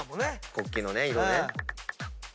国旗の色ね。